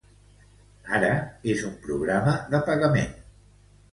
Ara, és un programa de pagament.